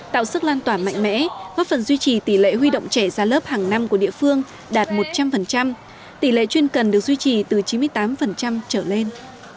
tạo sức lan tỏa mạnh mẽ góp phần duy trì tỷ lệ huy động trẻ ra lớp hàng năm của địa phương đạt một trăm linh tỷ lệ chuyên cần được duy trì từ chín mươi tám trở lên